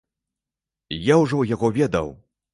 Я ўжо яго ведаў!